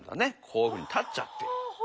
こういうふうに立っちゃってる。